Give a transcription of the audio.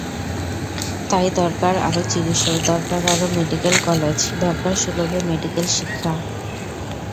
তাই দরকার আরও চিকিৎসক, দরকার আরও মেডিকেল কলেজ, দরকার সুলভে মেডিকেল শিক্ষা।